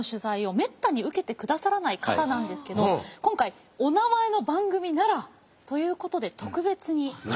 めったに受けてくださらない方なんですけど今回「おなまえ」の番組ならということで特別に取材に応じて。